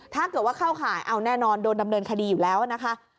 ถ้าเกิดว่าเข้าข่ายเอาแน่นอนโดนดำเนินคดีอยู่แล้วนะคะ